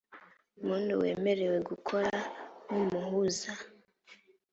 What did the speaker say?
muntu wemerewe gukora nk umuhuza